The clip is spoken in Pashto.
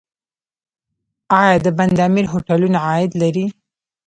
آیا د بند امیر هوټلونه عاید لري؟